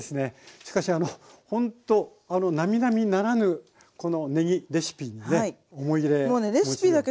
しかしあのほんとなみなみならぬこのねぎレシピにね思い入れお持ちで。